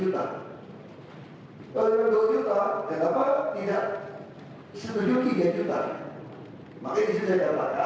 dan untuk poin kesimpulan